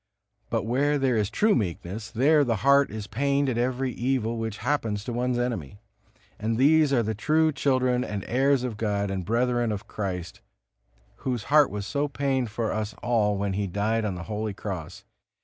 But where there is true meekness, there the heart is pained at every evil which happens to one's enemy. And these are the true children and heirs of God and brethren of Christ, Whose heart was so pained for us all when He died on the holy Cross.